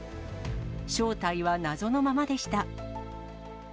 正体は謎のままでした。